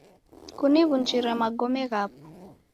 Kuniw'unjire magome ghapo.